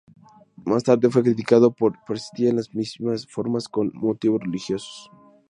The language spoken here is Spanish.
Más tarde fue criticado porque persistía en las mismas formas con motivos religiosos.